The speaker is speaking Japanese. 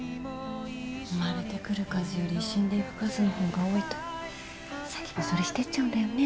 生まれてくる数より死んでいく数のほうが多いと先細りしていっちゃうんだよね。